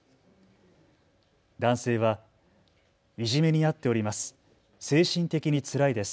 男性は、イジメにあっております。